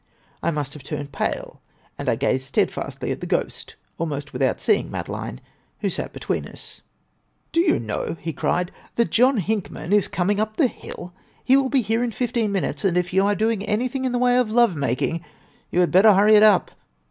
I must have turned pale, and I gazed steadfastly at the ghost, almost without seeing Madeline, who sat between us. "Do you know," he cried, "that John Hinckman is coming up the hill? He will be here in fifteen minutes, and if you are doing anything in the way of love making, you had better hurry it up.